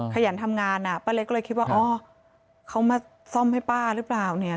ขยันทำงานอ่ะป้าเล็กก็เลยคิดว่าอ๋อเขามาซ่อมให้ป้าหรือเปล่าเนี่ย